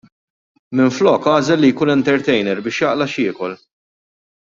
Minflok għażel li jkun entertainer biex jaqla' x'jiekol.